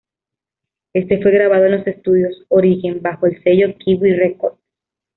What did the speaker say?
Este fue grabado en los estudios Origen, bajo el sello Kiwi Records.